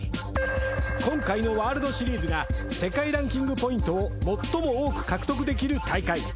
今回のワールドシリーズが、世界ランキングポイントを最も多く獲得できる大会。